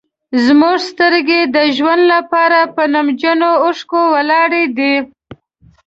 زموږ سترګې د ژوند لپاره په نمجنو اوښکو ولاړې دي.